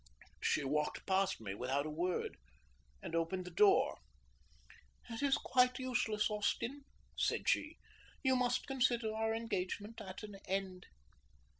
She walked past me without a word and opened the door. "It is quite useless, Austin," said she. "You must consider our engagement at an end."